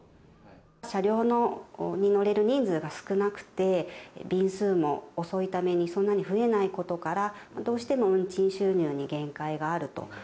車両に乗れる人数が少なくて、便数も遅いために、そんなに増えないことから、どうしても運賃収入に限界があると。